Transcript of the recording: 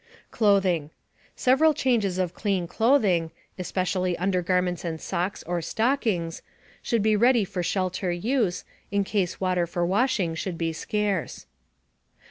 CLOTHING. Several changes of clean clothing especially undergarments and socks or stockings should be ready for shelter use, in case water for washing should be scarce.